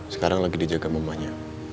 sekarang lagi dijaga mamanya